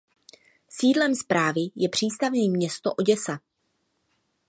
Sídlem správy je přístavní město Oděsa.